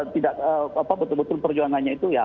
tidak apa betul betul perjuangannya itu ya